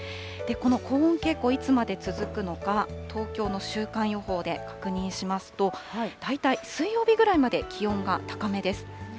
この高温傾向、いつまで続くのか、東京の週間予報で確認しますと、大体水曜日ぐらいまで気温が高めです。